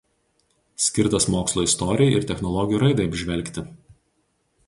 Skirtas mokslo istorijai ir technologijų raidai apžvelgti.